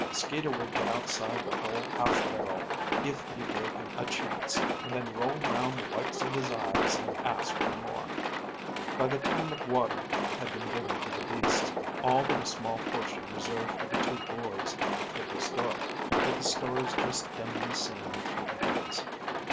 "Skeeter would get outside the whole half barrel if you gave him a chance, and then roll round the whites of his eyes and ask for more." By the time the water had been given to the beasts, all but a small portion reserved for the two boys, it was dark, with the stars just dimly seen through the haze.